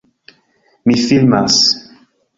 Mi filmas.